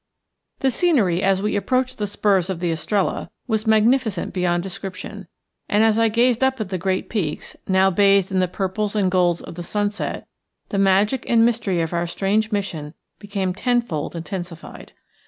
The scenery as we approached the spurs of the Estrella was magnificent beyond description, and as I gazed up at the great peaks, now bathed in the purples and golds of the sunset, the magic and mystery of our strange mission became tenfold intensified.